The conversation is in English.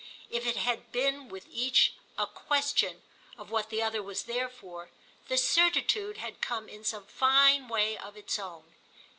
If it had been with each a question of what the other was there for, the certitude had come in some fine way of its own.